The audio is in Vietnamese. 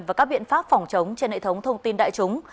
và các biện pháp phòng chống trên hệ thống thông tin đại chúng